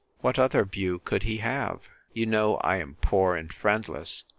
What other view could he have? You know I am poor and friendless.